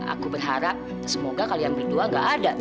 aku berharap semoga kalian berdua gak ada